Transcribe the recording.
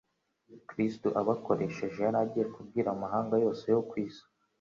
Kristo abakoresheje, yari agiye kubwira amahanga yose yo ku isi.